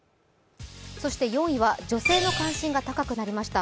４位は女性の感心が高くなりました。